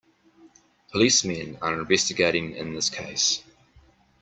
Policemen are investigating in this case.